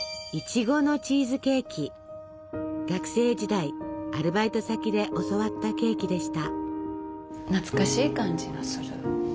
学生時代アルバイト先で教わったケーキでした。